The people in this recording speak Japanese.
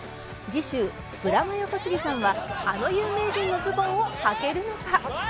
次週ブラマヨ小杉さんはあの有名人のズボンをはけるのか？